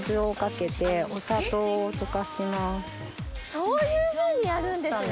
そういうふうにやるんですね！